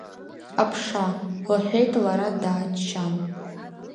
Аԥша, лҳхеит лара дааччан.